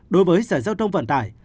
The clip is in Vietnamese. đối với sở giao thông vận tải